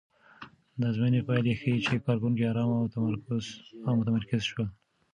د ازموینې پایلې ښيي چې کارکوونکي ارامه او متمرکز شول.